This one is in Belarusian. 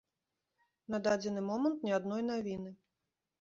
На дадзены момант ні адной навіны.